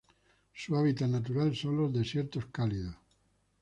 Su hábitat natural son los desiertos cálidos.